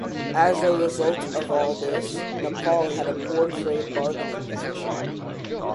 As a result of all this, Nepal had a poor trade bargaining position.